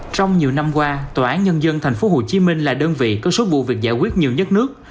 trong nhiều năm qua tòa án nhân dân tp hcm là đơn vị có số vụ việc giải quyết nhiều nhất nước